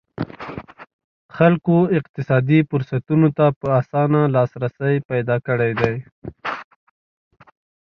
خلکو اقتصادي فرصتونو ته په اسانه لاسرسی پیدا کړی دی.